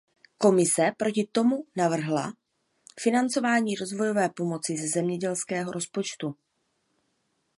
Komise proti tomu navrhla financování rozvojové pomoci ze zemědělského rozpočtu.